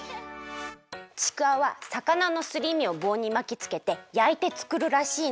ちくわはさかなのすりみをぼうにまきつけてやいてつくるらしいの。